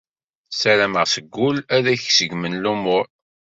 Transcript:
Sarameɣ seg ul ad k-seggmen lumuṛ.